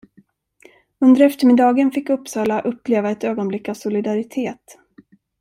Under eftermiddagen fick Uppsala uppleva ett ögonblick av solidaritet.